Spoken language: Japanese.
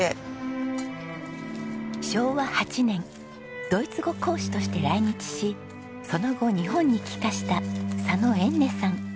昭和８年ドイツ語講師として来日しその後日本に帰化した佐野えんねさん。